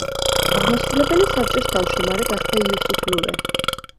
აღმასრულებელი საბჭოს თავმჯდომარე გახდა იუსუფ ლულე.